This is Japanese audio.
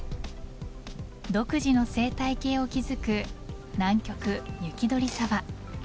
独自の生態系を築く南極、雪鳥沢。